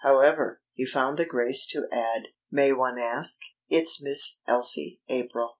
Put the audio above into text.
However, he found the grace to add: "May one ask?" "It's Miss Elsie April."